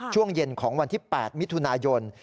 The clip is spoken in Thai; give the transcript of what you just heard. ช่วงเย็นของวันที่๘มิถุนายน